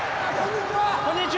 こんにちは！